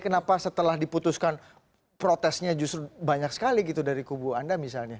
kenapa setelah diputuskan protesnya justru banyak sekali gitu dari kubu anda misalnya